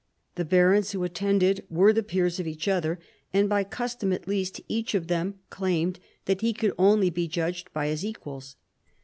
The barons who attended were the peers of each other, and by custom at least each of them claimed that he could only be judged by his equals.